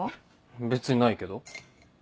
別にないけど。